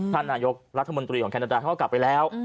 ท่านนายกรัฐมนตรีของแคนาดาเขาก็กลับไปแล้ว